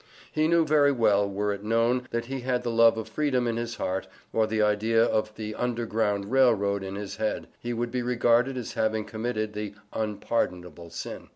He knew very well were it known, that he had the love of freedom in his heart, or the idea of the Underground Rail Road in his head, he would be regarded as having committed the "unpardonable sin."